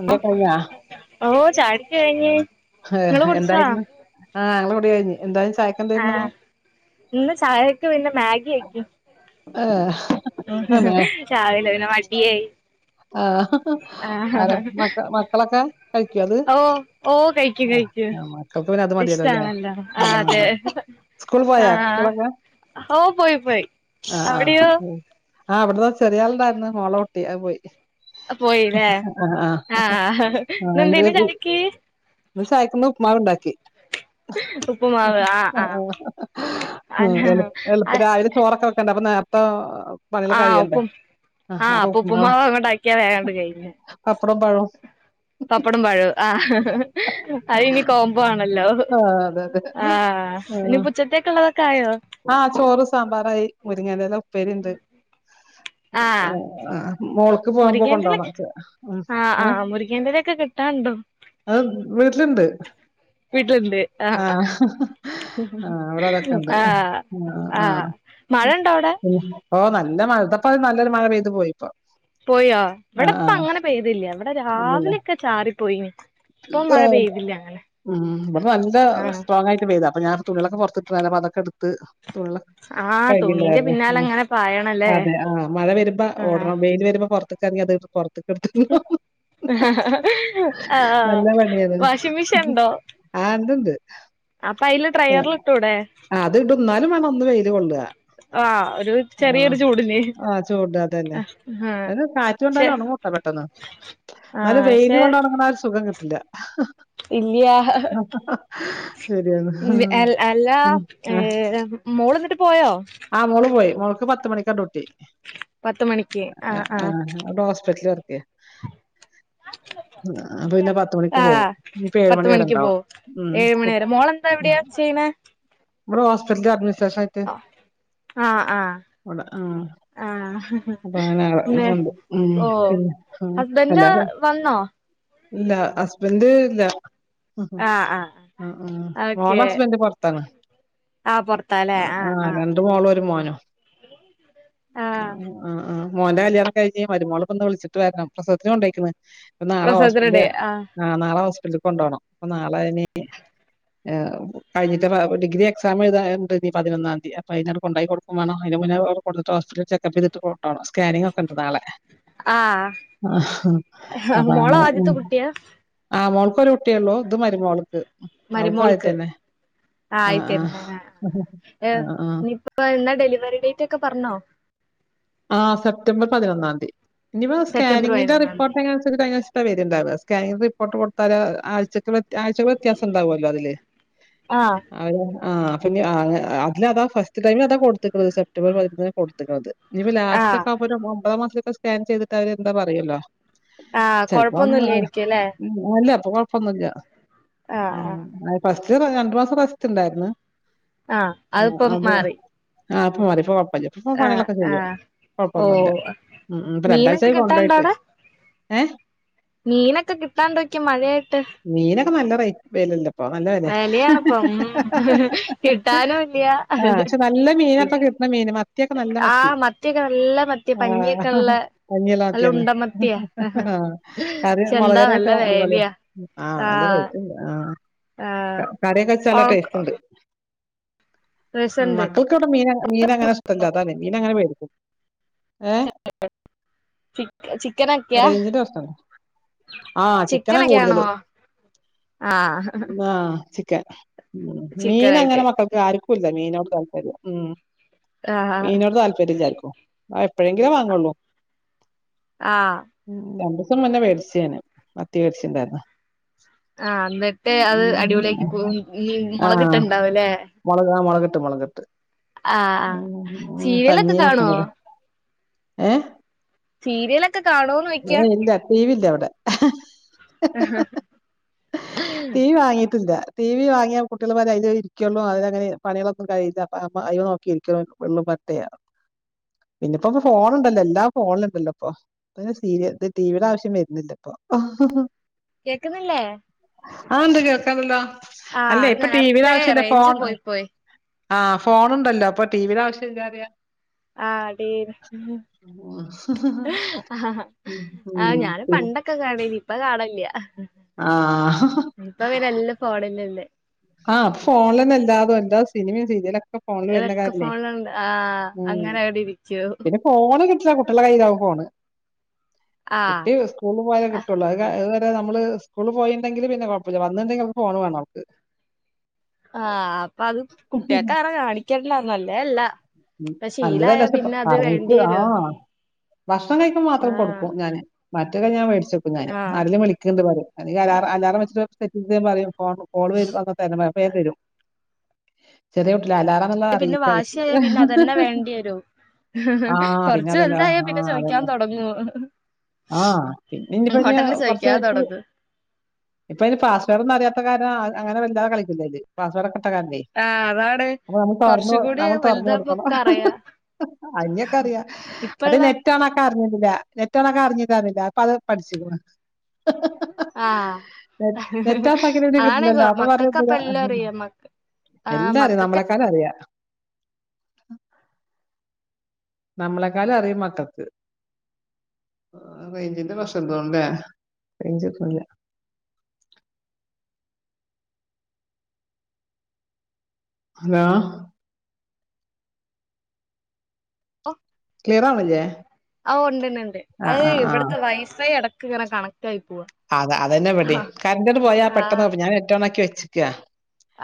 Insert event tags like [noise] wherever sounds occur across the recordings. എന്തേ കഴിഞ്ഞാ ഓ ചാടിക്കയ്ഞ്ഞ് അതെ എന്തായിരുന്നു ആ ഞങ്ങളെ കുടി കഴിഞ്ഞു എന്തായ്ന്നു ചായ ആ ഇന്ന് ചായക്ക് പിന്നെ മാഗി ആക്കി ഏ രാവിലെ പിന്നെ മടിയായി ആഹ് ആഹ് മക്ക മക്കളൊക്കെ കഴിക്കോ അത് ഓ ഓ കഴിക്കും കഴിക്കും ആഹ് മക്കൾക്ക് പിന്നെ അത് മതിയല്ലോ അല്ലേ ഇഷ്ടാണല്ലോ ആ ആഹ് അതെ സ്കൂള് പോയോ കുട്ടികളൊക്കെ ഓഹ് പോയി പോയി ആഹ് ആഹ് അവിടെയോ ഉം ആഹ് ഇവിടന്ന് ചെറിയാളുണ്ടാരുന്നു മോളെ കുട്ടി അത് പോയി പോയില്ലേ ആഹ് [unintelligible] ഇന്നെന്തേനു ചായക്ക് ഇന്ന് ചായക്കിന്ന് ഉപ്പുമാവുണ്ടാക്കി ഉപ്പുമാവ് ആഹ് ആഹ് അല്ല എളു എളുപ്പം രാവിലെ ചോറൊക്കെ വെക്കണ്ടേ അപ്പ നേരത്തോ ആഹ് ഉപ്പും ആഹ് അപ്പ ഉപ്പ്മാവാക്കി ഉപ്പുമാവങ്ങോണ്ടാക്കിയാ വേഗങ്ങട്ട് കഴിഞ്ഞ് പപ്പടോം പഴോം പപ്പടം പഴോം ആഹ് അത് ഇനി കോമ്പോ ആണല്ലോ ആഹ് അതെ അതെ ആഹ് ആഹ് ഇനിപ്പ ഉച്ചത്തേക്കൊള്ളതൊക്കെ ആയോ ആഹ് ചോറ് സാമ്പാറായി മുരിങ്ങേലെല ഉപ്പേരിണ്ട് ആഹ് ആഹ് മോൾ ക്ക് പോവുമ്പം മുരിങ്ങേന്റെല കൊണ്ടോവാൻ വെച്ചതാ ഉം ആഹ് അത് വീട്ടില്ണ്ട് ആഹ് ആഹ് അവിടെതൊക്കെണ്ട് ആഹ് ആഹ് മഴണ്ടോ അവിടെ ഓഹ് നല്ല മഴ ഇതപ്പത് നല്ലൊരു മഴ പെയ്തു പോയിപ്പോ പോയോ ആ ഇവിടെ ആ ഇപ്പ അങ്ങനെ പെയ്തില്ല ഇവിടെ രാവിലെയൊക്കെ ചാറിപ്പോയിനി ആം ഉം ഇവിടെ നല്ല ആഹ് സ്ട്രോങായിട്ട് പെയ്ത അപ്പ ഞാൻ തുണികളൊക്കെ പൊറത്തിട്ട്രാര്ന്ന് അപ്പ അതൊക്കെ എടുത്ത് തുള്ളൻ ആഹ് തുണീന്റെ കഴികിണ്ടാരുന്നു പിന്നാലെ ഉം അങ്ങനെ പായണല്ലേ അതെ ആഹ് മഴ വരുമ്പ ആഹ് ഓടണം വെയിൽ പൊറത്ത്ക്കെറങ്ങിയാ അത് എടു പൊറ ത്ത്ക്കെടുത്തിടണം ആഹ് നല്ല പണിയാണ് വാഷിംഗ് മെഷീൻ ഉണ്ടോ ആഹ് ഇണ്ടിണ്ട് അപ്പൊ അയില് ഡ്രയറില് ഇട്ടൂടെ ഇത് ഇടും എന്നാലും വേണം ഒന്ന് വെയില് കൊള്ള്വാ ആഹ് ഒരു ആഹ് ചെറിയൊരു ചൂടിന് ആഹ് ചൂട് അതന്നെ ആഹ് അതിന് കാറ്റ് ക്ഷെ കൊണ്ടാലും ഒണങ്ങു ത്ര പെട്ടെന്ന് എന്നാലും ആഹ് വെയില് ക്ഷെ കൊണ്ടൊണങ്ങണ ആ ഒരു സുഖം കിട്ടില്ല ഇല്ല്യാ ആഹ് ശരിയാണ്. ഇൽ ആഹ് അൽ അല്ലാ ഉം ഏഹ് ഏഹ് മോളിന്നിട്ട് പോയോ ആഹ് മോള് പോയി മോൾക്ക് പത്തുമണിക്കാ ഡ്യൂട്ടി പത്ത് മണിക്ക് ആഹ് എഹ് ആഹ് എഹ് അവിടെ ഹോസ്പിറ്റല് വർക്ക് ചെയ്യാ പോവും. ആഹ് ഇനിയിപ്പോ പത്ത് മണി വരെ മണിക്ക് ഇണ്ടാവും. പോവും ഉം ഏഴ് കു മണിവരെ മോളെന്താ എവിടെയാ ചെയ്യണേ ഇവടെ ഹോസ്പിറ്റില്അഡ്മിനിസ്ട്രേഷനായിട്ട് ആഹ് ആഹ് വടെ ആഹ് ആഹ് അപ്പൊ അങ്ങനെ ന്ന് ആയിഫൊണ്ട് ഉം ഓഹ് പിന്നെ ഹസ്ബൻഡ് ആ വന്നോ [unintelligible] ഇല്ല ഹസ്ബന്റ് ഇല്ല ആഹ് ആഹ് ഓക്കെ മോളെ ഹസ്ബന്റ് പൊറത്താണ് ആഹ് രണ്ട് മോളും ഒരു മോനും ആഹ് ആഹ് ആഹ് മോന്റെ കല്യാണം കഴിഞ്ഞ് മരുമോളെപ്പന്ന് വിളിച്ചിട്ട് വരണം പ്രസവത്തിന് കൊണ്ടോയിക്കണ് ഇപ്പ നാളെ ഹോസ്പിറ്റല ആഹ് നാളെ ഹോസ്പിറ്റലിൽ കൊണ്ടോണം അപ്പൊ നാളെ ഇനി ഏ കഴിഞ്ഞിട്ട് ഡിഗ്രി എക്സാം എഴുതാണ്ട് ഇനി പതിനൊന്നാന്തി അപ്പൊ അയിനട്ട് കൊണ്ടോയി കൊടുക്കും വേണം അതിന് മുന്നേ കൊടുത്തിട്ട് ഹോസ്പിറ്റൽ ചെക്കപ്പ് ചെയ്തിട്ട് കൊണ്ടോണം സ്കാനിങ്ങൊക്കെണ്ട് നാളെ ആഹ് ആഹ് മോളെ അപ്പങ്ങനെ ആദ്യത്തെ കുട്ടിയാ ആ മോൾക്കൊരു കുട്ടിയൊള്ളൂ ഇത് മരുമോൾക്ക് അവൾക്കും മരിമോൾക്ക് ആദ്യത്തന്നെ. ആ ആഹ് ആഹ് ആയിത്തെന്ന ഏ ആഹ് ആഹ് നിപ്പൊ ഇപ്പെന്നാ ഡെലിവറി ഡേറ്റ് ഒക്കെ പർഞ്ഞോ ആ് സെപ്റ്റംബർ പൊതിനൊന്നാം ന്തി ഇനിപ്പോ സെപ്റ്റംബർ സ്കാനിങ്ങിന്റെ പതിനൊന്നാം റിപ്പോർട്ട് തീയതി എങ്ങനെ തൊക്കെ കയ്ഞ്ഞാ സ്ഥ വെരന്താവോ സ്കാനിങ് റിപ്പോർട്ട് കൊടുത്താല് ആഴ്ച്ചക്ക് വ്യത്യ ആഴ്ച്ച കള് വ്യത്യാസംണ്ടാവുല്ലോ അതില് ആഹ് അവര് ആ അപ്പോഞ്ഞി അതിലതാ ഫസ്റ്റ് ടൈമിൽ അതാ കൊടുത്ത്ക്ക്ണത് സെപ്റ്റംബർ പതിനൊന്നിനാ കൊടുത്ത്ക്കുണത് ഇനിപ്പൊ ആഹ് ലാസ്റ്റൊക്കെ ആവുമ്പോ ഒര് ഒമ്പതാമാസത്തൊക്കെ സ്കാൻ ചെയ്തിട്ട് അവര് എന്താ പറയല്ലോ ആഹ് ചെൽപ്പോ [unintelligible] കൊഴപ്പൊന്നുംല്ലായിരിക്കും അല്ലേ അല്ല കൊഴപ്പ പ്പൊന്നുല്ല ആഹ് ഉ ആഹ് അഹ് ഫസ്റ്റ് രണ്ടു മാസം റെസ്റ്റുണ്ടായിരുന്നു ആഹ് ആ അതിപ്പം അബൊ മാറി ആ പ്പോ മാറി പ്പോ കുഴപ്പല്ല പ്പോ ആഹ് പണിലൊക്കെ ചെയ്യും ആഹ് കൊഴപ്പൊന്നുല്ല ഓഹ് ഉം ഇപ്പോ മീനൊക്കെ രണ്ടാഴ്ചായി കിട്ടാണ്ടോ കൊണ്ടോയിട്ട് അവിടെ ഏ മീനൊക്കെ കിട്ടാണ്ടൊയ്ക്കാ മഴായിട്ട് മീനൊക്കെ നല്ല റൈ വെലല്ലേ ഇപ്പൊ നല്ല വെലെ വിലയാണിപ്പം ഉം കിട്ടാനും ഇല്ല ആ പക്ഷെ നല്ല മീനൊപ്പൊ കി ല്ല മീന മത്ത്യോക്കെ നല്ല മത് ത്തി ആഹ് മത്തിയൊക്കെ നല്ല മത്തി ആ പഞ്ഞിയൊക്കെ ഉള്ള പഞ്ഞിള്ള നല്ല മാത്ത്യാണ് ഉണ്ടമത്തിയാ കറി പക്ഷെ എന്താ നല്ല മുളകറിക്കെ അടിപോളിയാ വേലയാ ആ നല്ല ആഹ് റൈറ്റ് ണ്ട് ആ ആഹ് കറിഒക്കെ വെച്ചാ നല്ല ഓൾക്ക് ടേസ്റ്റ് ണ്ട് രസണ്ട് മക്കൾ ക്ക് വടേ മീനങ്ങ മീനങ്ങനെഷ്ടംല്ലാ അതാ മീൻ അങ്ങനെ മേടിക്കും ഏ? [inaudible] ചിക്ക് ചിക്കനൊക്കെയാ റേഞ്ചിന്റെ പ്രശ്നണ്ട്. ആ ചിക്കനാ ചിക്കനൊക്കെയാണോ കൂടുതല്. ആ ആ ചിക്കൻ മീനങ്ങനെ ചിക്കനായിട്ട് മക്കൾക്ക് ആര്ക്കുംല്ല മീനോട് താല്പര്യം ഉം ആഹ് മീനോട് താല്പര്യം ല്ലാർക്കും അഹ് എപ്പോഴെങ്കിലേ വാങ്ങോള്ളൂ ആ ഉ രണ്ടൂസം മുന്നെ വേടിച്ച് ഞാന് മത്തി വേടിച്ചിണ്ടായിരുന്നു ആ ന്നിട്ട് അത് അടിപൊളിയാക്കി കു ആ. മൊളകിട്ടണ്ടാവും അല്ലേ മൊളക് ആ മൊളക് ട്ട് മൊളക് ട്ട് ആ ആ സീരിയലൊക്കെ കാണൊ ഏ സീരിയലൊക്കെ കാണോന്ന് ചോയ്ക്കാ ഇല്ലഇല്ല ടിവി ല്ല ഇവടെ ടീവി വാങ്ങിട്ടില്ലാ ടി വി വാങ്ങിയാൽ കുട്ട്യള്മാരെ അയ്ലേ ഇരിക്കൊള്ളൂ അതിലങ്ങനെ പണികളൊന്നും കഴയില്ല അപ്പൊ അപ്പൊ അയില് നോക്കിയിരിക്കും വെള്ളു പറ്റയാ പിന്നെപ്പോ പ്പോ ഫോണുണ്ടല്ലോ എല്ലാ ഫോണിലും ണ്ടല്ലോ ഇപ്പൊ ഇപ്പേയ്ന് സീരിയൽ ത് ടിവിയുടെ ആവശ്യം വരുന്നില്ല ഇപ്പൊ കേക്കുന്നില്ലേ ആ ഉണ്ട് കേൾക്കാണ്ടല്ലോ ആഹ് അല്ലേ അത് ഇപ്പൊ ടിവിൽ നേരത്തെ ആവശ്യല്ല റേഞ്ച് ഫോൺ പോയി പോയി ആ ഫോണുണ്ടല്ലോ അപ്പൊ ടി വിടെ ആവശ്യംല്ലാ പറയാ ആ ടി വി ഓ [unintelligible] ക്കെ കാണേനി ഇപ്പ കാണാല്ല ആ ഹ ഹാ ഇപ്പൊ എല്ലാം ഫോണിലല്ലേ ആ ഫോണിലെന്നെ എല്ലാതും എല്ലാ സിനിമയും സീരിയലൊ ഇടക്കാ ഫോണിലുണ്ട് ആ ഉം അങ്ങനെ അവിടെ ഇരിക്കുവോ പിന്നെ ഫോണ് കിട്ടില്ല കുട്ടികളെ കയ്യിലാകും ഫോണ് ആഹ് കുട്ടി സ്കൂൾ പോയാലേ ആഹ് കിട്ടൊള്ളൂ ഇതുവരെ നമ്മള് സ്കൂൾ പോയിണ്ടെങ്കില് പിന്നെ കെഴപ്പില്ല വന്നിണ്ടെങ്കിലെ അവൾക്ക് ഫോണ് വേണം അവൾക്ക് ആഹ് അപ്പൊ അത് കുട്ടിക്കാണ് കാണിക്കണതില്ല നല്ലതല്ല ഉംഹ് ഇപ്പ നല്ലതല്ല ശീലായ ജസ്റ്റ്‌ പിന്നെ അത് വേണ്ടി പറഞ്ഞിട്ട് വരും ആഹ് ഭക്ഷണം കഴിക്കുമ്പോ മാത്രം ആഹ് കൊടുക്കും ഞാൻ മറ്റൊക്കെ ഞാൻ മേടിച്ചക്കും ഞാനെ ആഹ് അതിലും വിളിക്കണ്ട് പലരും അല്ലെങ്കി അലാറം അലാറം വെച്ചിട്ട് സെറ്റിങ്ങിസിൽ വരുമ്പോൾ അറിയാം കോള് കോള് [unintelligible] അപ്പഴെ തരും ചെറിയ കുട്ടികളാ അലാറം അല്ലാ പിന്നെ അറിയിക്കാതെ പോയി പിന്നെ അത് തന്നെ വേണ്ടിവരു ആ പിന്നെ കൊറച്ചു അതന്നെ വലുതായേ പിന്നെ ചോയിക്കാൻ തെടങ്ങൂ ആഹ് പിന്നെ ഇനിപ്പെ ഇനി കറച്ച് ചോദിക്കാൻ കഴിഞ്ഞ് [unintelligible] തൊടങ്ങും ഇപ്പെയിത് പാസ്സ്‌വെഡൊന്നും അറിയാത്ത കാരണം അങ്ങ അങ്ങനെ വലുതാ കളിക്കില്ല ഇത് പാസ്സ്‌വേർഡെക്കെ ഇട്ട കരണേ ആഹ് അതാണ് കെറച്ച് കൂടി തൊറന്നു വലുതാവുമ്പൊ കൊടുക്കണം ഒക്കെ അറിയാ അതെക്കറിയ ഇപ്പള്ള നെറ്റ് ഓൺക്ക അറിഞ്ഞിരിന്നില്ല നെറ്റൊണാക്കാ അറിഞ്ഞിരിന്നീല്ല ഇപ്പൊ അത് പഠിച്ച് ആഹ് നെറ്റ് ഓഫ് ആക്കി അതാണെ കിട്ടില്ലല്ലോ കൊഴ അപ്പൊ മക്കൾക്ക് പറയുന്നില്ല അപ്പെ എല്ലാം അറിയാം മക്കക്ക് ആ മക്കക്കെ അത്താന് അറിയാം ആഹ് നമ്മളെക്കാലും അറിയും മക്കൾക്ക് റേഞ്ചിന്റെ പ്രശ്നം ഉണ്ടേ റേഞ്ച് കിട്ടണില്ല ഹലോ ഓഹ് ക്ലിയർ അവണില്ലേ ആഹ് ഒണ്ട് ഒണ്ട് ഒണ്ട് അത് ഇവിടുത്തെ വൈഫൈ അടക്ക് ഇങ്ങനെ കണക്റ്റ് ആയി പോവാ അത അതന്നെ ഇവ്ടെയും ആഹ് കറന്റ് ഒന്ന് പോയാ പെട്ടെന്ന് ഞാൻ നെറ്റോണാക്കി വെച്ചെക്കയ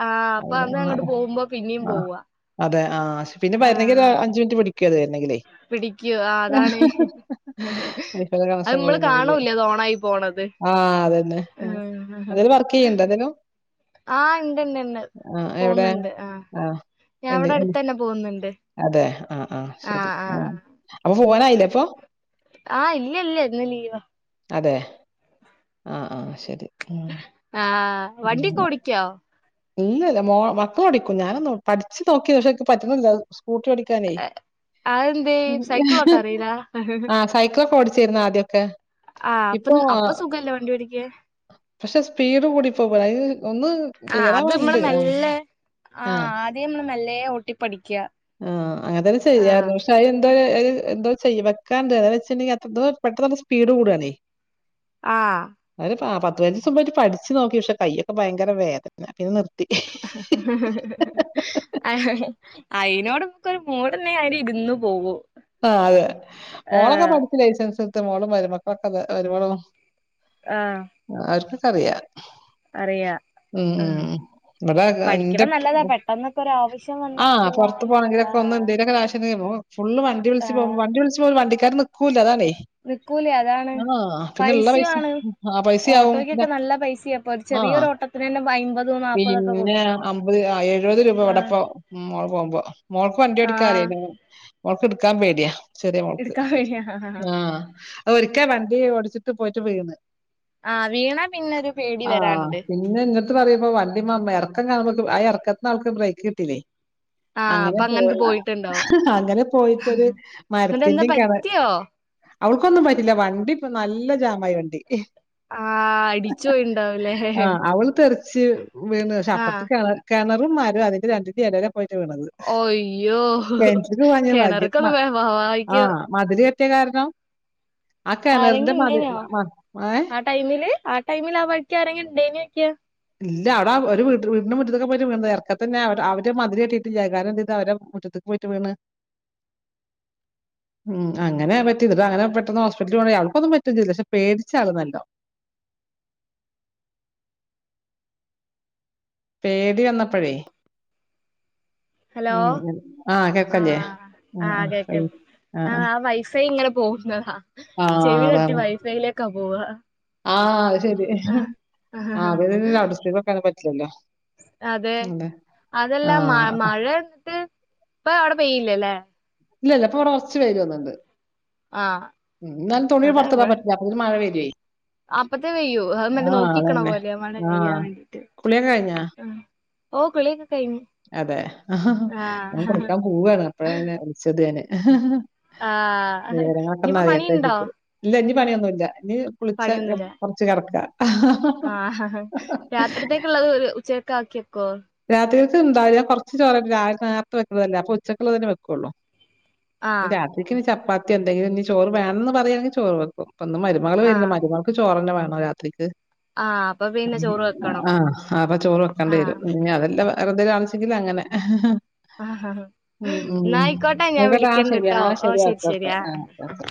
ആഹ് അപ്പൊ അത് അങ്ങോട്ട് പോകുമ്പോ പിന്നെ പോവാ അതെ ആഹ് ശ് പിന്നെ വരണെങ്കില് ഒരാ ആഹ് അഞ്ച് മിനിറ്റ് പിടിക്കെ വരണെങ്കിലേ പിടിക്കൂ ആ അതാണ് അതിൽ ഭേദം അത് കളഷ്ൻ നമ്മള് കാണൂല [unintelligible] അത് ഓണായി പോണത് ആഹ് അത് തന്നെ എന്തേലും വർക്ക് ചെയ്യണ്ടോ എന്തേലും ആഹ് ഇണ്ട്ണ്ട് ഇണ്ട് ആ എവിടെ പോന്നിണ്ട് ആ ഞാൻ എന്ത് അവിടെ എന്ത് അടുത്ത് തന്നെ പോന്നിണ്ട് അതെ ആഹ് ആഹ് ശരി ആ അപ്പൊ പോവാനായില്ലേ അപ്പൊ ആഹ് ഇല്ല ഇല്ല ഇന്ന് ലീവാ അതെ ആഹ് ആഹ് ശരി ആഹ്ഹ് ഉംഹ് ഇല്ലയില്ലാ മോ മക്കളോടിക്കും ഞാനൊന്ന് പഠിച്ച് നോക്കി പക്ഷെ പറ്റുന്നില്ല സ്‌കൂട്ടർ ഓടിക്കാനേ അതെന്തേ സൈക്കിളോട്ടാൻ അറിയില്ല? ആഹ് സൈക്കിളെക്കെ ഓടിച്ചിരിന്നാ ആദ്യയൊക്കെ ആഹ് അപ്പെ അപ്പെ സുഖല്ലേ വണ്ടി ഓടിക്കാൻ പക്ഷെ സ്പീഡ് കൂടിപ്പോവാ ആഹ് ഒന്ന് ആഹ് ക്ലിയർ അത് നമ്മള് ആവാൻയൊണ്ട് ആ മെല്ലെ ആഹ് [unintelligible] മെല്ലെ ഓട്ടി പഠിക്കുക ആഹ് അങ്ങനെ തന്നെ ചെയ്യായിരുന്നു പക്ഷെ അയ് എന്തോരു [unintelligible] ചെയ്യ വെക്കാണ്ട് അതാ വെച്ചിട്ടുണ്ടെങ്കി അത്ര പെട്ടന്നുപെട്ടന്ന് സ്പീഡ് കൂടുവാണേ ആഹ് ഒര് ആ പത്ത് പൈനഞ്ച്ചീസം മുമ്പായിട്ട് പഠിച്ചു നോക്കി പക്ഷെ കയ്യൊക്കെ ഭയര വേദന പിന്നെ നി അഹ് അയിനോട്മ്ക്കൊരു മൂഡുണ്ടെങ്കി ആയില് ഇരുന്നുപോകു ആഹ് അതെ മോളൊക്കെ പഠിച്ചു ലൈസൻസ് എടുത്ത് മോളും മരുമക്കളൊക്കെ ക്കൊന്ന് വരുമോളും ആഹ് അവർക്കൊക്കെ അറിയ അറിയ ആ ഇവിടെ എന്റെ പഠിക്ക്‌ണ നല്ലതാ പെട്ടെന്നൊക്കെ ഒരാവശ്യം വന്നാ പോവാ റത്ത് പോണെങ്കിലൊക്കെ ഒന്നന്തേ ങ്കിലോരാവശ്യണ്ടെങ്കിലേ ഫുള്ള് വണ്ടി വിളിച്ച് പോക ആഹ് വി വിളിച്ച് പോല വണ്ടിക്കാർ നിക്കൂല്ല അതാണേ നിക്കൂലേ അതാണ് ആഹ് പിന്നെ ഉള്ള പൈസ പൈസയാണ് ആ പൈസയാവും പിന്നെ ഓട്ടോയ്ക്കൊക്കെ നല്ല പൈസയാ ഇപ്പൊ ഒരു ആഹ് ചെറിയൊരു ഓട്ടത്തിന് തന്നെ അമ്പത് നാല്പതൊക്കെ പിന്നെ കൊടുക്കാണ് അമ്പത് എഴുപത് രൂപ എവിടെപ്പ ആഹ് മോള് പോകുമ്പോ മോൾക്ക് വണ്ടി ആഹ് ഓടിക്കാറേല്ല മോൾക്ക്ടുക്കാൻ പേടിയാ ശെരിയ മോളക്ക് എടുക്കാൻ വയ്യ ആ അ ഒരിക്കൽ വണ്ടി ഓടിച്ചിട്ട് പോയിട്ട് പോയിന്ന് ആ വീണ പിന്നെരു പേടി ആഹ്. വരാണ്ട് പിന്നെ ഇങ്ങട്ട് പറയുമ്പോ വണ്ടി ഇക്കം കാണുമ്പ ആ ഇറക്കത്തിന്ന ആൾക്ക് ബ്രേക്ക് കിട്ടില്ലേ ആഹ് അപ്പൊ അങ്ങനെ പോ അങ്ങനത് പോയിട്ടുണ്ടാവും അങ്ങനെ പോയി മരു എന്നിട്ട് എന്താ മരത്തിന്റെയും കെണ പറ്റിയോ അവക്കൊന്നും പറ്റില്ല വണ്ടി ഇപ്പ നല്ല ജാമായി വണ്ടി ആഹ് അടിച്ചു പോയിണ്ടാവൂലേ ആ അവള് തെറിച്ച് വീണ് ക്ഷെ അപ്പുറത്ത ആഹ് കെണർ കിണറും മരും അതിന്റെ രണ്ടിന്റെ എടല പോയിട്ട് വീണത് ഓയ്യോ കെണറ്റ്ക്ക് പാഞ്ഞ ഭാഗ്യം കേണറക് മ ആ മതിലെട്ടിയ കാരണം ആ കെണറിന്റെ ആരെങ്കിലും മതി ഉണ്ടേനോ മ ഏഹ് ആ ടൈമില് ആ ടൈമില് ആ വഴിക്ക് ആരെങ്കിലും ണ്ടായ്നിയോയ്ക്ക ഇല്ല അവിടെ ഒരു വീടിന്റെ മുറ്റത്തൊക്കെ പോയി വീ ഇറക്ക തന്നെ അവര് മതിരിയാട്ടിട്ട് ജഗാരം ചെയ്ത് അവടെ മുറ്റത്ത് പോയിട്ട് വീണ് ഉം അങ്ങനെ പറ്റിയല്ല അനെ പെട്ടന്ന് ഹോസ്പിറ്റിൽ പോണ്ടെങ്ക അവൾക്കൊന്നും പറ്റും ചെയ്ല്ല പടിച്ചളന്നല്ലോ പേടി വന്നപ്പഴേ ഉം ഹലോ ആ കേൾക്കല്ലേ ആ ആ കയ് ആ ആ വൈഫൈ ഇങ്ങനെ പോകുന്നതാ ആ ചെവി തട്ടി അതാണ്. വൈഫൈയിലേക്കാ പോവ ആ ശരി ആഹ് ആ ആഹ് ലഡസ്പീ വെക്കാനും പറ്റില്ലല്ലോ അതെ ആ അതെല്ലാം മ അപ്പൊ മഴത്ത് പ്പ അവിടെ പെയ്യില്ലല്ലേ ഇല്ല ഇല്ല ഇപ്പൊ കുടെ കുറച്ച് വേരു വന്നിണ്ട് ആഹ് ഉ എന്നാലും തുണി ഇവിടെ ഇവ പുറത്തടാൻ പറ്റില്ല അ ഒരു മഴ പ വരുവാ അപ്പത്തെ വെയ്യോ അ മെ നോക്കിക്കണ അതന്നെ. പോലെമ്മടെ ആ. കെയ്യാൻ വേണ്ടീട്ട് കുളിയൊക്കെ കഴിഞ്ഞാ? ഓ കുളിയൊക്കെ കൈഞ്ഞ് അതെ ആ ഞാൻ കുളിക്കാൻ പോവാണ് അപ്പഴെ വിളിച്ചത് ആഹ് വരങ്ങട്ടന്ന ഇനിയിപ്പോ അറിയ എട്ട പണിയുണ്ടോ ഇല്ല ഇനി പണിയൊന്നുല്ല ഇനി കുളിച്ച കൊറച്ച് കടക്ക ആ ഹ ഹ രാത്രിത്തേക്കുള്ളത് ഒര് ഉച്ചക് ആക്കിയക്കോ രാത്രികക്ക് ഉണ്ടാവില്ല കുറച്ച് ചോറ നേരത്ത് വെക്കുന്നതല്ലേ അപ്പ ഉച്ചക്ക തന്നെ വെക്കുള്ളൂ ആഹ് രാത്രിക്ക് ഇനി ചപ്പാത്തി എന്തെില ഇനി ചോറ് വേണന്ന് പറയാണെങ്കിൽ ചോറ് വെക്കും ഇപ്പൊ ഒന്ന് മരു മരുമകൾ വരുന്ന ആഹ് മരുമൾക്ക് ചോറ്ന്നെ വേണോ രാത്രിക്ക് ആഹ് അപ്പൊ പിന്നെ ചോറ് വെക്കണം ആ അപ്പൊ ചോറ് വെക്കേണ്ടി വരും ആഹ് പി അതെല്ലാം വെറുതെ കാണിച്ചെങ്കില അങ്ങനെ ആഹ് ഉം എന്നാ ഉം ആയിക്കോട്ടെ ഞാൻ അയ്കോട്ടെ ആ ശരി വിളിക്കണ്ട്ട്ടോ ആ ഓ ശരി ഓക്കെ ഓക്കെ ആഹ് ആ ഓക്കെ ഓക്കെ